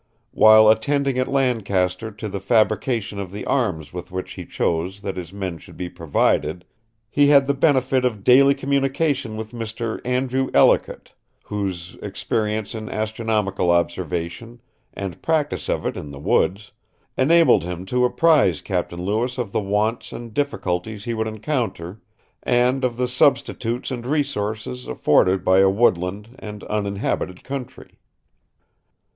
While attending at Lancaster to the fabrication of the arms with which he chose that his men should be provided, he had the benefit of daily communication with Mr. Andrew Ellicott, whose experience in astronomical observation, and practice of it in the woods, enabled him to apprise Captain Lewis of the wants and difficulties he would encounter, and of the substitutes and resources afforded by a woodland and uninhabited country."